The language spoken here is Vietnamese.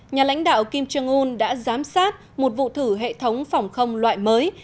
nhà lãnh đạo kim jong un đã giám sát một vụ thử hệ thống phòng không loại mới